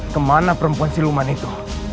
kemana perempuan siluman itu